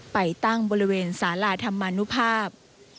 ไปตั้งบริเวณสาราธรรมนุภาพ